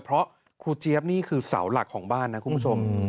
เพราะครูเจี๊ยบนี่คือเสาหลักของบ้านนะคุณผู้ชม